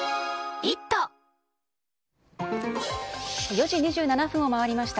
４時２７分を回りました。